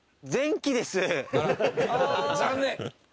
「残念！」